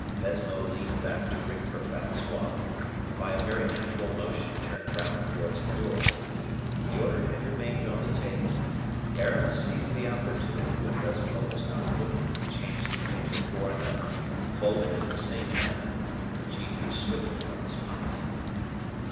Baisemeaux leaned back to ring for Francois, and by a very natural motion turned round towards the door. The order had remained on the table; Aramis seized the opportunity when Baisemeaux was not looking to change the paper for another, folded in the same manner, which he drew swiftly from his pocket.